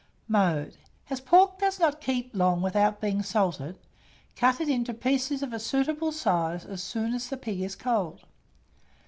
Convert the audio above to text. Mode. As pork does not keep long without being salted, cut it into pieces of a suitable size as soon as the pig is cold.